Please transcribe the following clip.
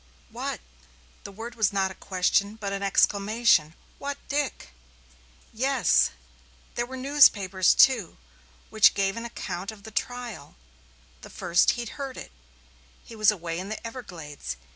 "What!" The word was not a question, but an exclamation. "What Dick!" "Yes yes. There were newspapers, too, which gave an account of the trial the first he'd heard of it he was away in the Everglades.